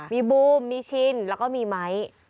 มีบูมมีชินแล้วก็มีไม้